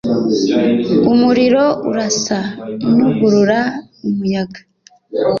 Umuriro urasa nugurura umuyaga